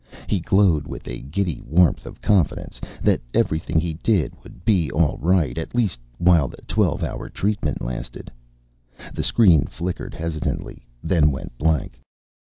He glowed with a giddy warmth of confidence that everything he did would be right, at least while the twelve hour treatment lasted.... The screen flickered hesitantly, then went blank.